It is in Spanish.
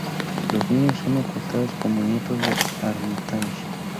Los niños son ocultados como nietos de Armitage.